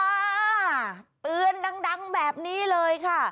อ่าเตือนดังแบบนี้เลยค่ะ